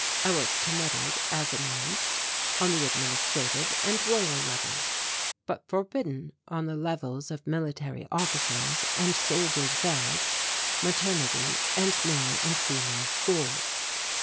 I was permitted, as announced, on the Administrative and Royal Levels; but forbidden on the levels of military officers and soldiers' barracks, maternity and male and female schools.